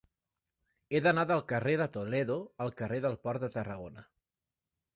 He d'anar del carrer de Toledo al carrer del Port de Tarragona.